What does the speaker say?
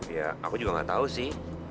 ya aku juga nggak tahu sih